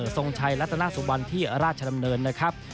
ทรงชัยรัตนาสุบันที่ราชดำเนินนะครับ